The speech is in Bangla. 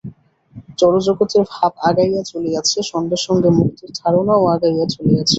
জড়জগতের ভাব আগাইয়া চলিয়াছে, সঙ্গে সঙ্গে মুক্তির ধারণাও আগাইয়া চলিয়াছে।